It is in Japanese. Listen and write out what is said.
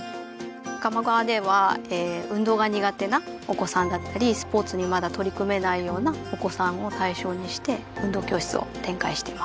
鴨川では運動が苦手なお子さんだったりスポーツにまだ取り組めないようなお子さんを対象にして運動教室を展開しています